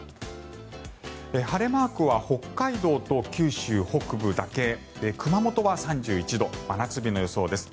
晴れマークは北海道と九州北部だけで熊本は３１度真夏日の予想です。